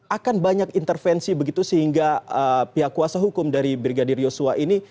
akan banyak intervensi begitu sehingga pihak kuasa hukum dari brigadir yosua ini